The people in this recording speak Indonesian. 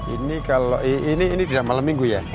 ini kalau ini ini tidak malam minggu ya